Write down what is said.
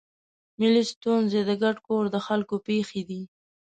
ملي ستونزې د ګډ کور د خلکو پېښې دي.